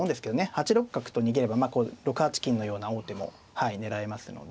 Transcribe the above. ８六角と逃げれば６八金のような王手も狙えますので。